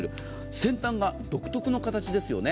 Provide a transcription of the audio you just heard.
先端が独特の形ですよね。